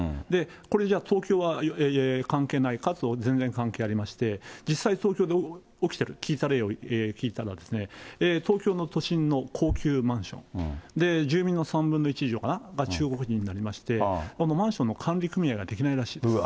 これじゃあ東京は関係ないかと、全然関係ありまして、実際、東京で起きてる、聞いた例を聞いたら、東京の都心の高級マンション、住民の３分の１以上かな、が中国人になりまして、マンションの管理組合ができないらしいです。